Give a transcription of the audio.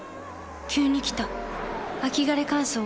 急に来た秋枯れ乾燥。